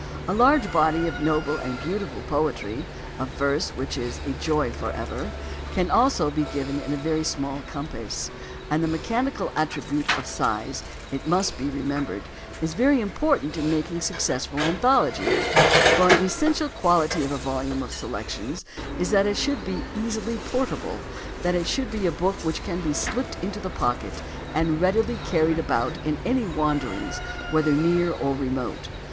A large body of noble and beautiful poetry, of verse which is "a joy forever," can also be given in a very small compass. And the mechanical attribute of size, it must be re membered, is very important in making a successful anthology, for an essential quality of a volume of se lections is that it should be easily portable, that it should be a book which can be slipped into the pocket and readily carried about in any wanderings whether near or remote.